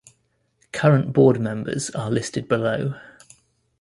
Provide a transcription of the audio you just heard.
Current Board members are listed below.